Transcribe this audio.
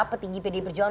petinggi pdi perjuangan